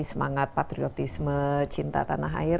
semangat patriotisme cinta tanah air